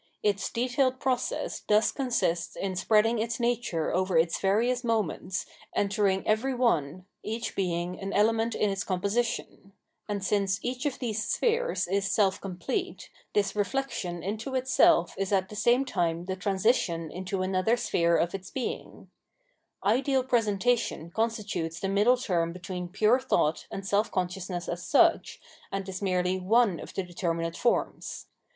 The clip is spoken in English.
Its detailed process thus consists in spreading its nature over its various moments, entering every one, each being an element in its composition: and since each of these spheres is * e.g. Christ. t Ibe life and work of the historical Jesus. Revealed Rdigion TJ^ self complete, this reflexion into itself is at tte same time the transition into another sphere of its being. Ideal presentation constitutes the middle term between pure thought and self consciousness as such, and is merely one of the determinate forms.